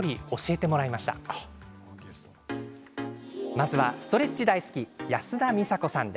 まずはストレッチ大好き安田美沙子さん。